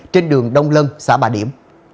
trên đường đông lân xã bà địa